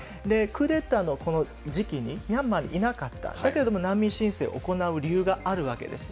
クーデターのこの時期に、ミャンマーにいなかった、だけども難民申請を行う理由があるわけです。